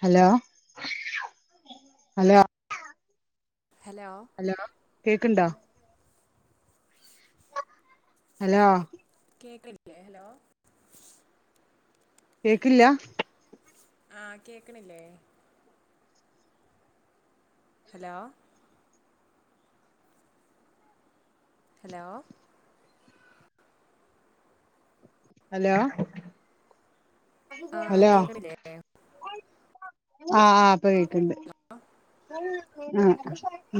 Hello hello hello hello കേക്കുണ്ടോ? Hello കേക്ക്ല്ലേ hello കേൾക്കില്ല ആഹ് കേക്ക്ണില്ലേ ഹലോ ഹലോ ഹലോ ആ ഹലോ കേക്കണില്ലേ ആഹ് ആഹ് ഇപ്പൊ കേക്ക്ണ്ട് ആഹ്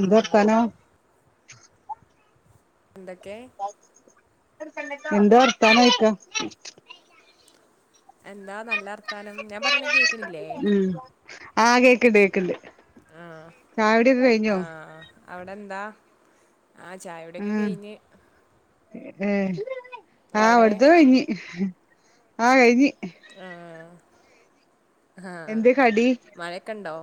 ആ വർത്താനം എന്തൊക്കെ എന്താ വർത്താനം ചോയിക്കാ എന്താ നല്ല വർത്താനം ഞാൻ പറയണെ കേ ഉം ആഹ് കേക്ക്ണ്ട് കേക്ക്ണ്ട് ആ ചായു ടി ഒക്കെ കഴിഞ്ഞോ അവിടെ എന്താ ആഹ് ചായ കുടി ഒക്കെ ആ കഴിഞ്ഞ് ഏ ആ അവിടെ ഇവിടുത്തെ കഴിഞ്ഞ് ആഹ് കഴിഞ്ഞ് ആഹ് ആഹ് എന്തേ കടി മഴയൊക്കെ ഉണ്ടോ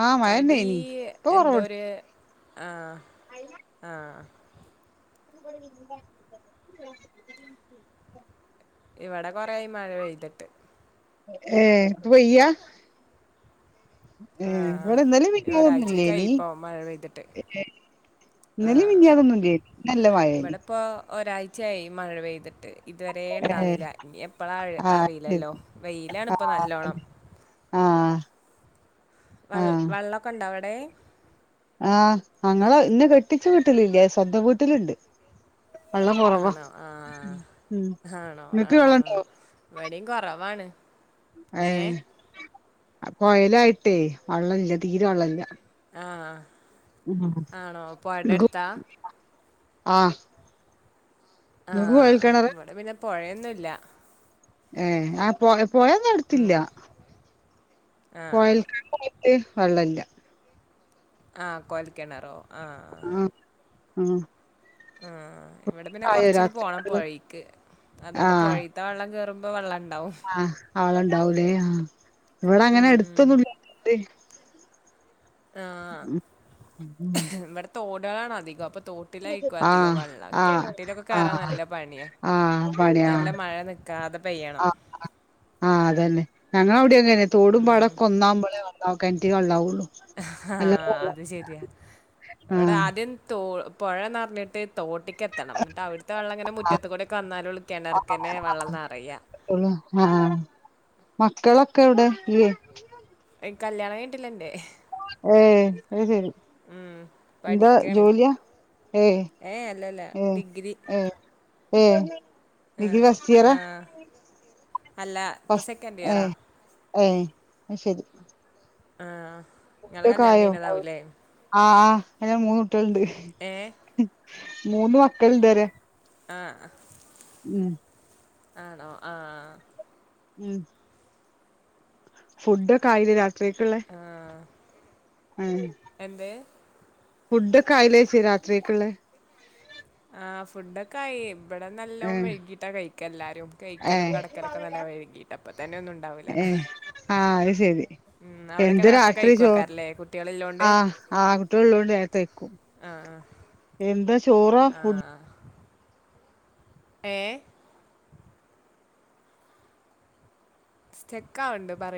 ആ കടി മഴന്നേനി ഇപ്പൊ എന്തോ കൊറവ്ണ്ട് ഒരു ആഹ് ആഹ് ഇവിടെ കൊറെ ആയി മഴ പെയ്തിട്ട് ഏ ഇപ്പം പെയ്യാ ഏ ആഹ് ഇവടെ ഇന്നലിം ഒരാഴ്ചക്കായി മിഞ്ഞാന്നൊന്നുല്ലേനി ഇപ്പോ മഴ പെയ്തിട്ട് ഇന്നലിം ആഹ് മിഞ്ഞാന്നൊന്നുല്ലേനി ഇന്ന് നല്ല മഴേനി ഇവിടെപ്പോ ഒരാഴ്ചയായി മഴ പെയ്തിട്ട് ഇതുവരെ ഏ ഉണ്ടാവുന്നില്ല ഇനി എപ്പോഴ ആഹ് ശരി അറിയില്ലല്ലോ വെയിലാണ് ഇപ്പൾ നല്ലോണം ആഹ് വ ആഹ് വെള്ളൊക്കെ ഉണ്ടോ അവിടെ ആഹ് അങ്ങളെ ഇന്ന കെട്ടിച്ചു വീട്ടിലില്ലാ സ്വന്തം വീട്ടിലുണ്ട് വെള്ളം കുറവാ ആണോ ഉം ആഹ് ആണോ നിങ്ങക്ക് ആഹ് വെള്ളണ്ടോ എവിടയും കുറവാണ് ഏ കൊയലായിട്ടേ വെള്ളല്ല തീരെ വെള്ളല്ല ആഹ് ഉം ആണോ പൊഴന്റെ ഇങ്ങക്ക് അടുത്താ ആഹ് ഇങ്ങക്ക് കൊഴൽ ആഹ് കിണറാ ഇവിടെ പിന്നെ പുഴയൊന്നും ഇല്ല ഏ ആഹ് പോ പോയന്നും അടുത്തില്ല ആ കൊയൽ [inaudible] വെള്ളല്ല ആഹ് കൊഴൽക്കിണറോ ആഹ് ആഹ് ആഹ് ആഹ് ഇവിടെ പിന്നെ ആയോ കൊറച്ചണ് രാത്രി പോണം വെള്ളം പുഴേക്ക് അതുകൊണ്ട് പുഴ ആഹ് ത്ത വെള്ളം കയറുമോൾ വെള്ളംണ്ടാവും ആഹ് ആളുണ്ടാവൂലേ ആഹ് ഇവിടെ അങ്ങനെ ഉം. എടുത്തൊന്നും ണ്ടേ ആഹ് വടെ തോടാളാണധികം അപ്പൊ തോ ട്ടിലായിക്കു അധികം ആഹ് വള്ളം ആഹ് കെൺറ്റിലൊക്കെ കേറാൻ ആഹ് നല്ല പണിയാ ആഹ് നല്ല മഴ വെ ക്കാതെ പെയ്യണം [unintelligible] ആഹ് അതന്നെ ഞങ്ങളവുടീങ്ങനെ തോടും ഉം. പാടൊക്കൊന്നാവുമ്പളേ വള്ളാ കൊൺറ്റ് വള്ളാവൊള്ളു അല്ലാ ആഹ് അത് ശരിയാ ഇവിടെ ആദ്യം തോ പൊഴന്നറഞ്ഞിട്ട് തോട്ട്ക്കെത്തണം ന്നിട്ട് അവിടുത്തെ വെള്ളങ്ങനം മുറ്റത്ത് കൂടൊക്കെ വന്നാലൊള്ളു കെണറ്ക്കെന്നെ വള്ളം നറയ കുള ആഹ് മക്കളൊക്കെ എവുടെ ല്യേ ഐ കല്യാണം കയ്ഞ്ഞിട്ടില്ലെൻ്റെ ഏഹ് അയ്ശരി എന്താ പഠിക്കാണ് ജോല്യാ ഏഹ് ഏ അല്ലല്ല ഏഹ് ഡിഗ്രി ഏഹ് ഏഹ് എഹ് ആഹ് അല്ല പ്പ ഫസ് സെക്കൻഡ് ഏ ഇയറാ ഏ അയ്ശരി ആഹ് ഫുഡൊക്കായോ അഹ് ആഹ് അയ്ന മൂന്നുട്ട്യാള്ണ്ട് ഏ മൂന്ന് മക്കൾണ്ട് റ്യ ആഹ് അഹ് ഉം ആണോ ആഹ് അഹ് ഉം ഫുഡൊക്കെ ആയിലെ രാത്രിക്കക്ക്ള്ള ആ ഏഹ് എന്തേ ഫുഡൊക്കെ ആയിലേച്ചേ രാത്രേക്ക്ള്ള ആഹ് ഫുഡൊക്കായി ഇവിടെ ഏ നല്ലോം വൈകീട്ടാ കയ്ക്കല്ലാരും ഏ കൈക്കലും കടക്കലൊക്കെ നല്ലൊം വഴി കീട്ടാ പ്പ തന്നെ ഒന്നുണ്ടാവൂല്ല ഏഹ് ആഹ് അഹ് ശരി എന്ത നേരത്തെ രാത്രി ചോ കഴിക്കുവാക്കാരല്ലേ കുട്ടികളില്ലോണ്ട് ആഹ് ആഹ് കുട്ട്യേള് ള്ളോണ്ട് നേര്ത്ത കൈക്കും ആഹ് ആഹ് എന്താ ചോറാ ഫുഡ് ആഹ് ഏഹ് സ്റ്റെക്കാവ്ണ്ട് പറി